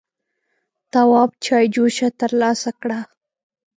تواب چايجوشه تر لاسه کړه.